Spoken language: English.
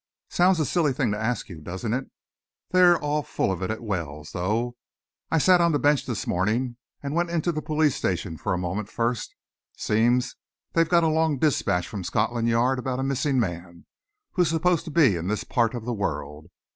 "Sounds a silly thing to ask you, doesn't it? They're all full of it at Wells, though. I sat on the bench this morning and went into the police station for a moment first. Seems they've got a long dispatch from Scotland Yard about a missing man who is supposed to be in this part of the world.